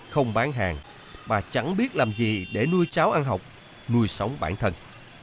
không bán hàng bà chẳng biết làm gì để nuôi cháu ăn học nuôi sống bản thân